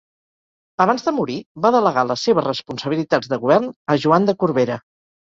Abans de morir va delegar les seves responsabilitats de govern a Joan de Corbera.